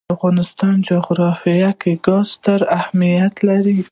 د افغانستان جغرافیه کې ګاز ستر اهمیت لري.